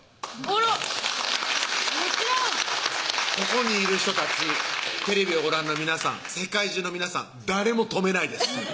あらっもちろんここにいる人たち・テレビをご覧の皆さん・世界中の皆さん誰も止めないです